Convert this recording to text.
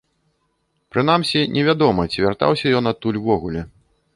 Прынамсі, не вядома, ці вяртаўся ён адтуль увогуле.